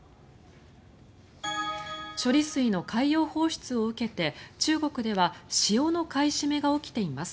処理水の海洋放出を受けて中国では塩の買い占めが起きています。